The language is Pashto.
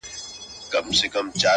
• پر خوبونو یې جگړې دي د خوارانو ,